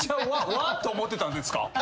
「わ」と思ってたんですか？